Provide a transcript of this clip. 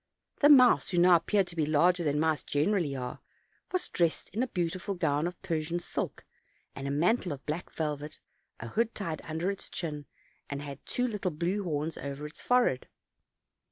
The mouse, who now appeared to be larger than mice generally are, was dressed in a beautiful gown of Persian silk, and a mantle of black vel vet, a hood tied under its chin, and had two little blue horns over its forehead.